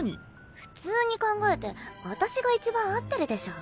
普通に考えて私が一番合ってるでしょ。